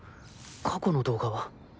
過去の動画は。